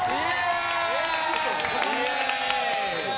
イエーイ！